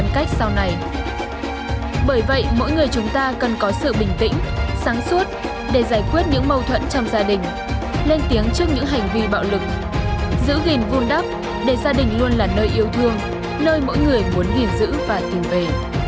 bởi vậy mỗi người chúng ta cần có sự bình tĩnh sáng suốt để giải quyết những mâu thuẫn trong gia đình lên tiếng trước những hành vi bạo lực giữ gìn vun đắp để gia đình luôn là nơi yêu thương nơi mỗi người muốn gìn giữ và tìm về